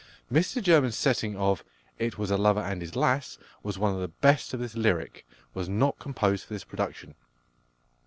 Mr German's setting of "It was a lover and his lass," one of the best of this lyric, was not composed for this production.